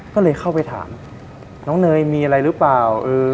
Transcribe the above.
ก็เลยเข้าไปถามน้องเนยมีอะไรหรือเปล่า